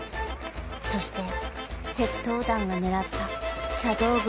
［そして窃盗団が狙った茶道具が］